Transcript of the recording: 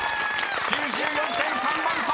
９４．３万ｔ！］